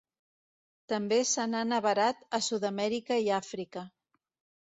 També se n'han avarat a Sud-amèrica i Àfrica.